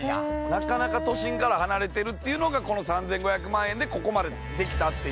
なかなか都心から離れてるっていうのがこの３５００万円でここまでできたっていう。